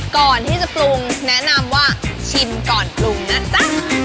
ก่อนที่จะปรุงแนะนำว่าชิมก่อนปรุงนะจ๊ะ